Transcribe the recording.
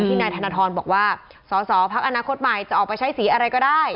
ที่นายธนธรรมบอกว่าศาสตรภักดิ์อนาคตใหม่จะออกไปใช้ศรีอะไรก็ได้